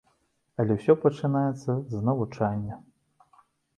Але ўсё пачынаецца з навучання.